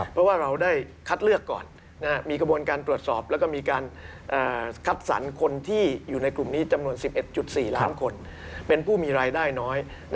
เพราะว่าเราได้คัดเลือกก่อนมีกระบวนการตรวจสอบแล้วก็มีการคัดสรรคนที่อยู่ในกลุ่มนี้จำนวน๑๑๔ล้านคนเป็นผู้มีรายได้น้อย